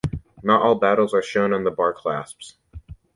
Not all battles are shown on the bar clasps.